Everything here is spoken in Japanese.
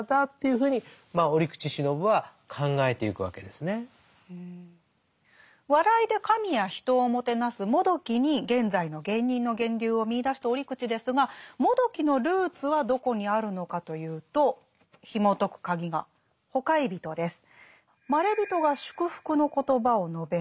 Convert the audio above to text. ですからそういうような笑いで神や人をもてなすもどきに現在の芸人の源流を見いだした折口ですがもどきのルーツはどこにあるのかというとひもとく鍵が「ほかひゞと」です。